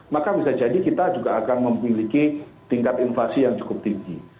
maka bisa jadi kita juga akan memiliki tingkat inflasi yang cukup tinggi